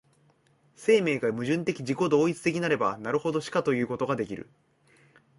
生命が矛盾的自己同一的なればなるほどしかいうことができる。